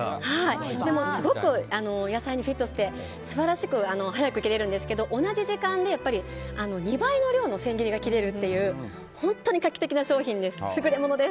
すごく野菜にフィットして早く切れるんですけど同じ時間で２倍の量の千切りが切れるという本当に画期的な商品です。